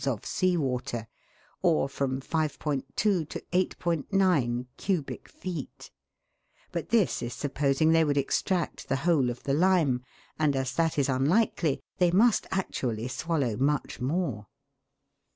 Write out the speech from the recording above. of sea water, or from 5 2 to 8 9 cubic feet; but this is supposing they would extract the whole of the lime, and as that is unlikely, they must actually swallow much more.